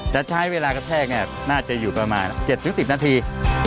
แต่ใช้เวลากระแทกน่าจะอยู่ประมาณ๗๑๐นาที